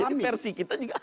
jadi versi kita juga